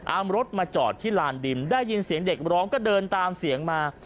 รถมาจอดที่ลานดินได้ยินเสียงเด็กร้องก็เดินตามเสียงมา